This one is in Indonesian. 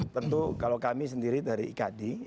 tentu kalau kami sendiri dari ikd